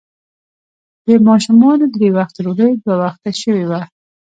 د ماشومانو درې وخته ډوډۍ، دوه وخته شوې وه.